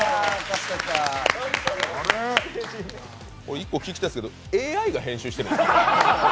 一個聞きたいんですけど、ＡＩが編集してるんですか？